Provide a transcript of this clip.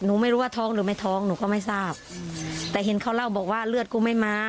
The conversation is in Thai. ไม่รู้ว่าท้องหรือไม่ท้องหนูก็ไม่ทราบแต่เห็นเขาเล่าบอกว่าเลือดกูไม่มา